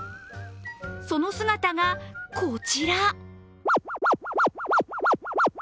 その姿が、こちら。